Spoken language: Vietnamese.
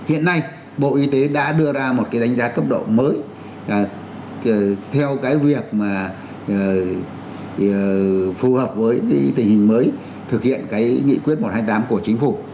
hiện nay bộ y tế đã đưa ra một cái đánh giá cấp độ mới theo cái việc mà phù hợp với tình hình mới thực hiện cái nghị quyết một trăm hai mươi tám của chính phủ